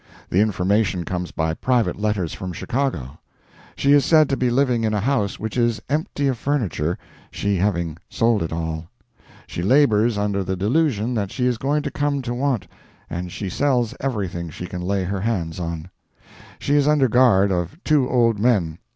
The information comes by private letters from Chicago. She is said to be living in a house which is empty of furniture, she having sold it all. She labors under the delusion that she is going to come to want, and she sells everything she can lay her hands on. She is under guard of two old men.